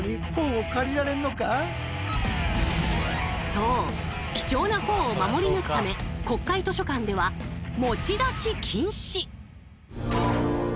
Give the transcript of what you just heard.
そう貴重な本を守り抜くため国会図書館では持ち出し禁止。